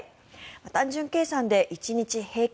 単純計算で１日平均